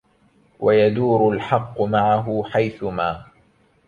ويدور الحق معه حيثما